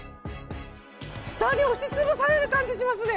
下に押しつぶされる感じがしますね。